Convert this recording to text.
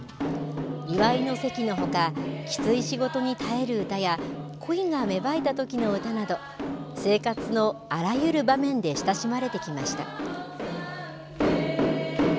祝いの席のほかきつい仕事に耐える歌や恋が芽生えたときの歌など生活のあらゆる場面で親しまれてきました。